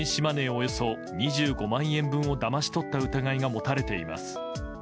およそ２５万円分をだまし取った疑いが持たれています。